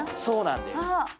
そうなんです